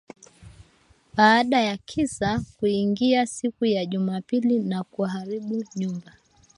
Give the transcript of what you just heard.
baada ya kiza kuingia siku ya Jumapili na kuharibu nyumba